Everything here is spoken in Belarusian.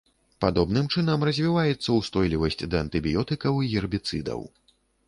Падобным чынам развіваецца ўстойлівасць да антыбіётыкаў і гербіцыдаў.